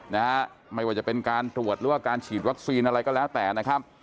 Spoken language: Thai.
นะฮะไม่ว่าจะเป็นการตรวจหรือว่าการฉีดวัคซีนอะไรก็แล้วแต่นะครับ